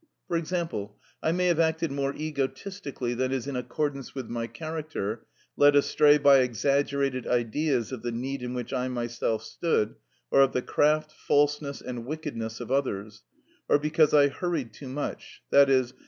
For example, I may have acted more egotistically than is in accordance with my character, led astray by exaggerated ideas of the need in which I myself stood, or of the craft, falseness, and wickedness of others, or because I hurried too much, _i.e.